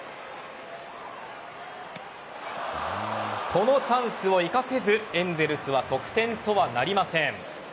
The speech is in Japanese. このチャンスを生かせずエンゼルスは得点とはなりません。